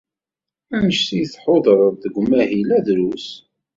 Anect ay tḥudred deg umahil-a drus.